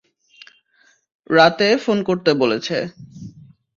রাতে ফোন করতে বলেছে।